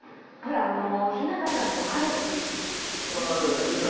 ほらあのひなたちゃんの彼氏い。